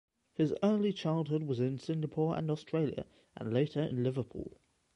His early childhood was in Singapore and Australia and later in Liverpool.